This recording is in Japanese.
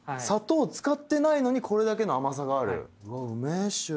砂糖使ってないのにこれだけの甘さがある。